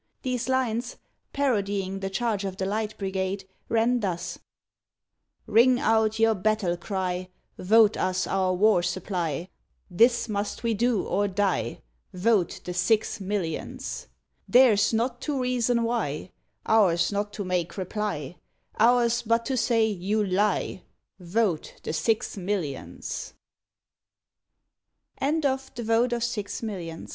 These lines parodying 'The Charge of the Light Brigade,' ran thus :—" Ring out your battle cry —• Vote us our war supply, This must we do or die — Vote the six millions. Theirs not to reason why. Ours not to make reply. Ours but to say, '' You lie '— Vote the six millions." The Charge of the Rad."